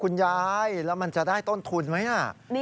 คุณยายแล้วมันจะได้ต้นทุนไหม